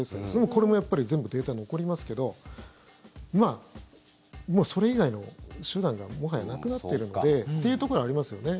これもやっぱり全部データ残りますけどもうそれ以外の手段がもはやなくなっているのでというところはありますよね。